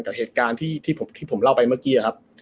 แต่เหตุการณ์ที่ผมเล่าไปเมื่อกี้ครับ